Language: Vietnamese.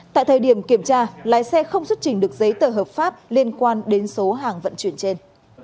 tại thời điểm kiểm tra lái xe không xuất trình được giấy tờ hợp pháp liên quan đến số hàng vận chuyển trên